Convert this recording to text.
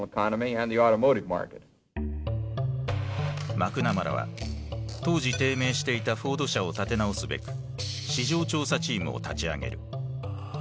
マクナマラは当時低迷していたフォード社を立て直すべく「市場調査チーム」を立ち上げる。